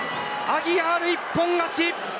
アギアール、一本勝ち。